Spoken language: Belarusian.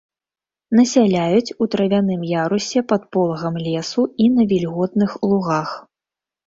Насяляюць у травяным ярусе пад полагам лесу і на вільготных лугах.